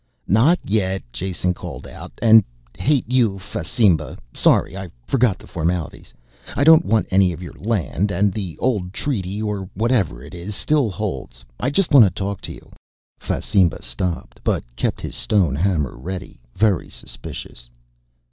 "Not yet," Jason called out. "And hate you, Fasimba, sorry I forgot the formalities. I don't want any of your land and the old treaty or whatever it is still holds. I just want to talk to you." Fasimba stopped, but kept his stone hammer ready, very suspicious.